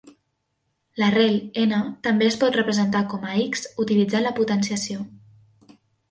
L'arrel "n" també es pot representar com a "x" utilitzant la potenciació.